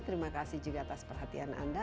terima kasih juga atas perhatian anda